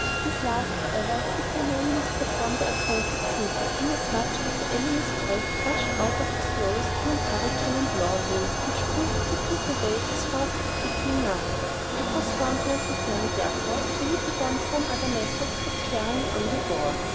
These last, however, could by no means perform their appointed duty; inasmuch as the enemy's breath rushed out of his nose in an obstreperous hurricane and whirlwind, which blew the Pygmies away as fast as they came nigh. It was found necessary, therefore, to hit upon some other method of carrying on the war.